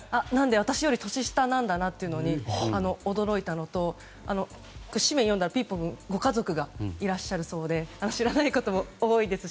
私より年下なんだなというのに驚いたのと紙面を読んだら、ピーポくんご家族がいらっしゃるそうで知らないことが多いです。